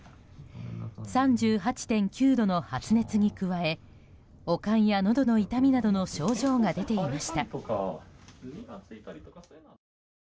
３８．９度の発熱に加え悪寒や、のどの痛みなどの症状が出ていました。